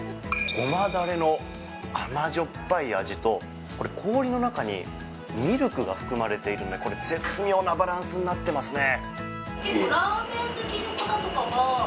ゴマダレの甘じょっぱい味とこれ、氷の中にミルクが含まれているのでこれ、絶妙なバランスになっていますね。